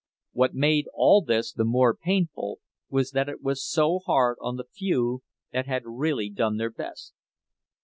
What made all this the more painful was that it was so hard on the few that had really done their best.